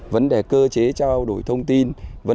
vấn đề cơ chế trao đổi thông tin